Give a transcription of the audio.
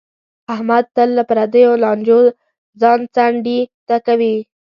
احمد تل له پردیو لانجو ځان څنډې ته کوي.